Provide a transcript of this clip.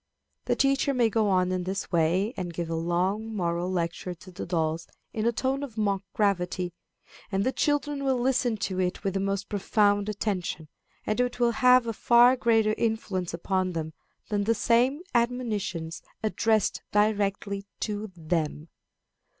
The teacher may go on in this way, and give a long moral lecture to the dolls in a tone of mock gravity, and the children will listen to it with the most profound attention; and it will have a far greater influence upon them than the same admonitions addressed directly to them.